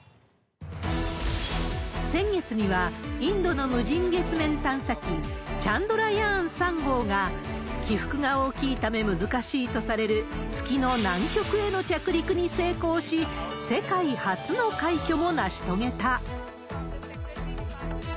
先月には、インドの無人月面探査機、チャンドラヤーン３号が、起伏が大きいため難しいとされる月の南極への着陸に成功し、世界初の快挙を成し遂げた。